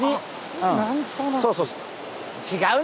そうそうそうそう。